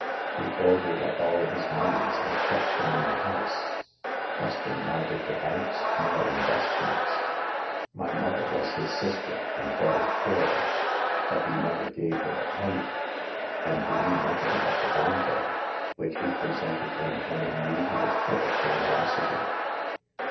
He hoarded up all his moneys and kept them in the house, trusting neither to banks nor investments. My mother was his sister, and very poor ; but he never gave her a penny, and to me nothing but the Dante, which he presented in an unusual fit of generosity.'